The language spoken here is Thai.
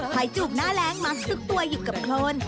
หายจูบหน้าแรงมักซุกตัวอยู่กับโครน